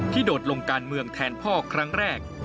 โดดลงการเมืองแทนพ่อครั้งแรก